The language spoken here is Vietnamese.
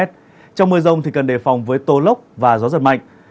trong mưa rông thì cần đề phòng với tô lốc và gió giật mạnh